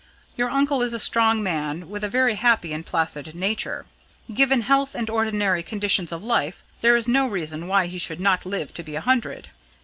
Your uncle is a strong man, with a very happy and placid nature. Given health and ordinary conditions of life, there is no reason why he should not live to be a hundred.